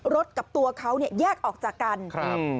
รถกับตัวเขาแยกออกจากกัน